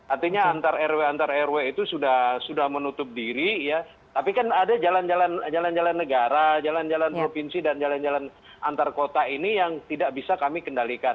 artinya antar rw antar rw itu sudah menutup diri ya tapi kan ada jalan jalan negara jalan jalan provinsi dan jalan jalan antar kota ini yang tidak bisa kami kendalikan